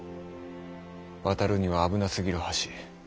渡るには危なすぎる橋。